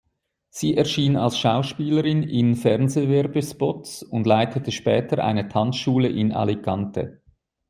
Sie erschien als Schauspielerin in Fernsehwerbespots und leitete später eine Tanzschule in Alicante.